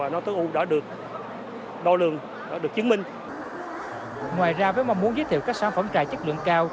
ngoài ra ngoài với mong muốn giới thiệu các sản phẩm trà chất lượng cao